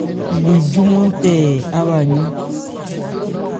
Li júmán tɛɛ á bhaâ yɔ́n.